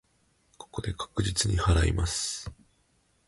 ここで確実に祓います。